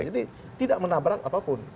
jadi tidak menabrak apapun